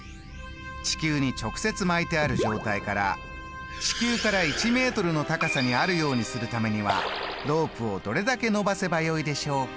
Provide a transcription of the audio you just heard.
地球に直接巻いてある状態から地球から１ｍの高さにあるようにするためにはロープをどれだけ伸ばせばよいでしょうか？」